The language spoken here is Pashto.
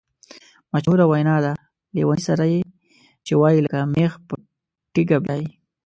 مشهوره وینا ده: لېوني سره یې چې وایې لکه مېخ په تیګه بیایې.